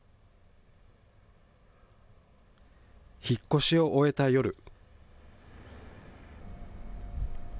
引っ越しを終えた夜。